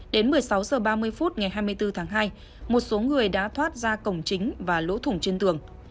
đến một mươi sáu h ba mươi phút ngày hai mươi bốn tháng hai một số người đã thoát ra cổng chính và lỗ thủng trên tường